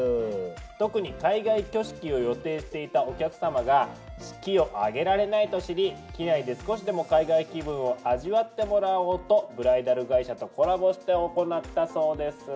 特に海外挙式を予定していたお客さまが式を挙げられないと知り機内で少しでも海外気分を味わってもらおうとブライダル会社とコラボして行ったそうです。